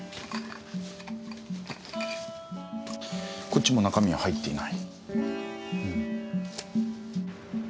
こっちも中身は入っていない。